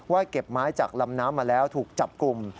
เก็บไม้จากลำน้ำมาแล้วถูกจับกลุ่ม